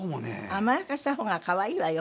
甘やかした方が可愛いわよ